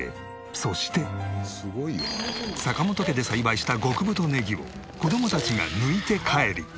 そして坂本家で栽培した極太ネギを子供たちが抜いて帰り。